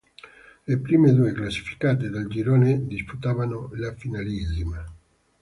Le prime due classificate del girone disputavano la finalissima.